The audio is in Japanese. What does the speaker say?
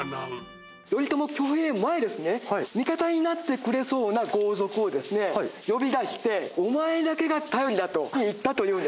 頼朝挙兵前ですね味方になってくれそうな豪族をですね呼び出して「お前だけが頼りだ！」と言ったというんですね。